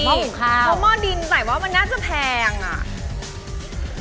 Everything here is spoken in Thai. เพราะหม้อดินแสดงว่ามันน่าจะแพงอะ